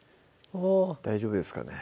大丈夫ですかね